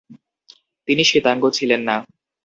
তিনি শ্বেতাঙ্গ ছিলেন না।